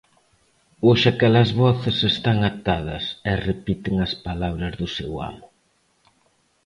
Hoxe aquelas voces están atadas e repiten as palabras do seu amo.